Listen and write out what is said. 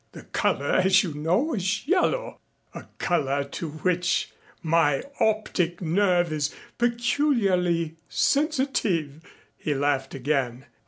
The color as you know is yellow a color to which my optic nerve is peculiarly sensitive." He laughed again.